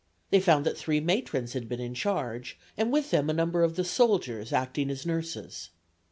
They found that three matrons had been in charge, and with them a number of the soldiers acting as nurses.